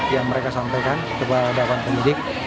yang mereka sampaikan kepada dawan politik